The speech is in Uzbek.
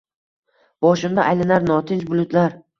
Boshimda aylanar notinch bulutlar.